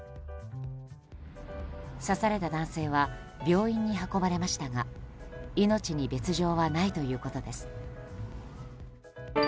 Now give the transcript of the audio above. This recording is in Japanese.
刺された男性は病院に運ばれましたが命に別条はないということです。